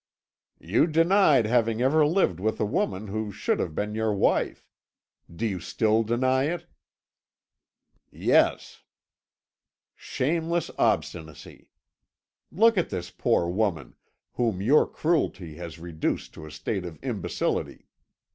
"You denied having ever lived with a woman who should have been your wife. Do you still deny it?" "Yes." "Shameless obstinacy! Look at this poor woman, whom your cruelty has reduced to a state of imbecility.